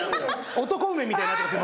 男梅みたいになってます